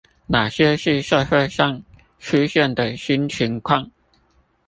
那些是社會上出現的新情況？